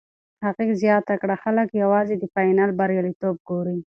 هغې زیاته کړه، خلک یوازې د فاینل بریالیتوب ګوري.